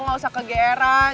gak usah kegeran